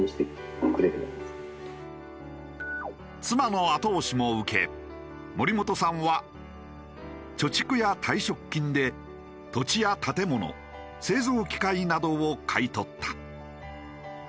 妻の後押しも受け森本さんは貯蓄や退職金で土地や建物製造機械などを買い取った。